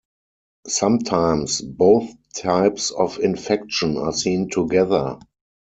Sometimes, both types of infection are seen together.